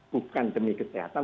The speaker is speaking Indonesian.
bukan demi kesehatan